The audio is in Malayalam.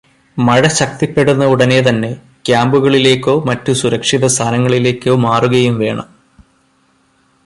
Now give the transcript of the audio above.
മഴ ശക്തിപ്പെടുന്ന ഉടനെ തന്നെ ക്യാമ്പുകളിലേക്കോ മറ്റു സുരക്ഷിതസ്ഥാനങ്ങളിലേക്കോ മാറുകയും വേണം.